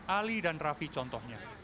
ali dan rafi contohnya